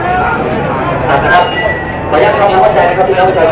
มุมการก็แจ้งแล้วเข้ากลับมานะครับ